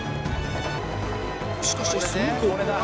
しかしその後